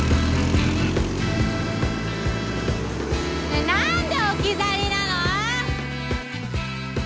ねえなんで置き去りなの！